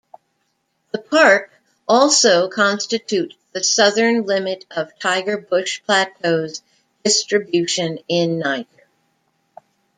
The park also constitute the southern limit of tiger bush plateaus distribution in Niger.